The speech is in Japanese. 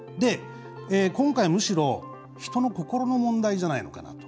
今回、むしろ人の心の問題じゃないのかなと。